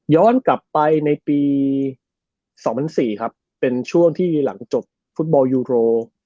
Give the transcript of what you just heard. กลับไปในปี๒๐๐๔ครับเป็นช่วงที่หลังจบฟุตบอลยูโร